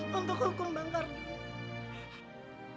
untuk hukum bang karjun